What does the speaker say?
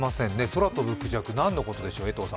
空飛ぶくじゃく、何のことでしょう